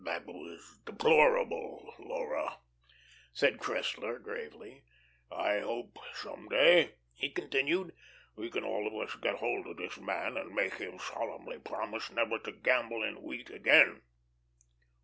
"That was deplorable, Laura," said Cressler, gravely. "I hope some day," he continued, "we can all of us get hold of this man and make him solemnly promise never to gamble in wheat again."